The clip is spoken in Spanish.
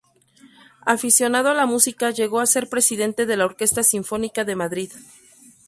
Aficionado a la música, llegó a ser presidente de la Orquesta Sinfónica de Madrid.